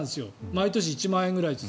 毎年１万円ずつぐらい。